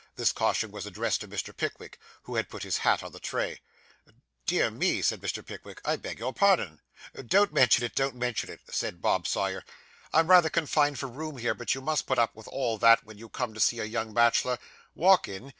This caution was addressed to Mr. Pickwick, who had put his hat in the tray. 'Dear me,' said Mr. Pickwick, 'I beg your pardon.' 'Don't mention it, don't mention it,' said Bob Sawyer. 'I'm rather confined for room here, but you must put up with all that, when you come to see a young bachelor. Walk in.